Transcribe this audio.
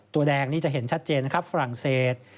แดงนี่จะเห็นชัดเจนนะครับฝรั่งเศส